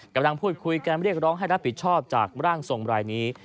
กำลังพูดคุยกันเรียกร้องให้รับผิดชอบจากร่างทรงรายนี้